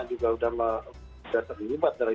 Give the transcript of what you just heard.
juga sudah terlibat dari